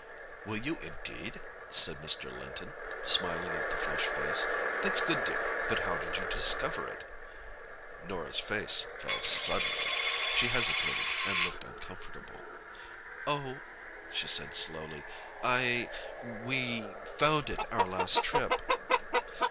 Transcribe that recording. "Will you, indeed?" said Mr. Linton, smiling at the flushed face. "That's good, dear. But how did you discover it?" Norah's face fell suddenly. She hesitated and looked uncomfortable. "Oh," she said slowly; "I—we—found it out last trip."